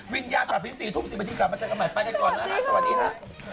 วิญญาณปาบพิษีทุ่ม๑๐นมาเจอกันใหม่ไปกันก่อนนะฮะสวัสดีค่ะ